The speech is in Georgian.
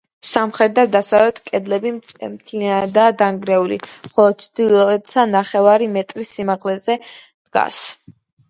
სამხრეთ და დასავლეთ კედლები მთლიანადაა დანგრეული, ხოლო ჩრდილოეთისა ნახევარი მეტრის სიმაღლეზეღა დგას.